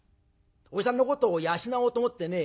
おじさんのことを養おうと思ってね。